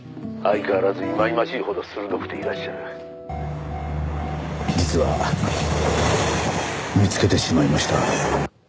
「相変わらずいまいましいほど鋭くていらっしゃる」実は見つけてしまいました。